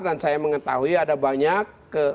saya mengetahui ada banyak